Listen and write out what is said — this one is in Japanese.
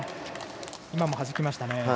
今もはじきましたね。